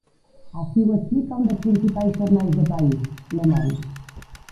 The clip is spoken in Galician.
Así o explica un dos principais xornais do país, Le Monde.